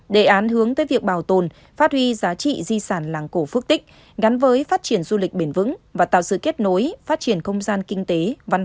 đề án hướng tới việc bảo tồn phát huy giá trị di sản làng cổ phước tích gắn với phát triển du lịch bền vững và tạo sự kết nối phát triển không gian kinh tế văn hóa